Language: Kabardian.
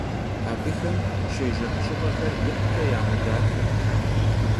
Abıxem şêjjex ş'ıp'exer yikhuç'e yağedaxe.